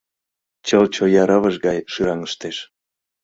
Чылт чоя рывыж гай шӱраҥыштеш.